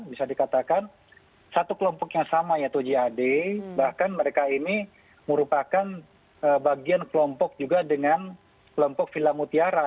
bisa dikatakan satu kelompok yang sama yaitu jad bahkan mereka ini merupakan bagian kelompok juga dengan kelompok villa mutiara